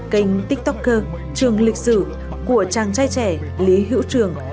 kênh tiktoker trường lịch sử của chàng trai trẻ lý hữu trường